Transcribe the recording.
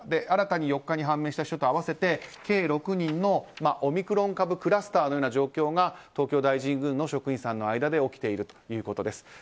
新たに４日に判明した人と合わせて計６人のオミクロン株クラスターのような状況が、東京大神宮の職員さんの間で起きているということです。